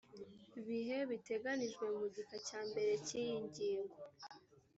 bihe biteganijwe mu gika cyambere cy iyi ngingo